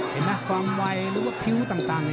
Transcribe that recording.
เห็นไหมความไวหรือว่าพิ้วต่าง